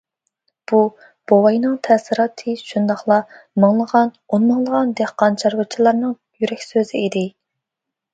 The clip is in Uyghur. بۇ، بوۋاينىڭ تەسىراتى شۇنداقلا مىڭلىغان، ئونمىڭلىغان دېھقان، چارۋىچىنىڭ يۈرەك سۆزى ئىدى.